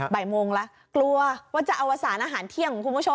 บ่ายโมงแล้วกลัวว่าจะเอาอาหารของคุณผู้ชม